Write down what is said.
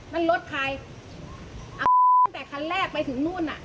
นั่นรถใครเอาตั้งแต่คันแรกไปถึงนู่นอ่ะ